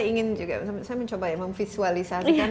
ingin juga saya mencoba ya memvisualisasikan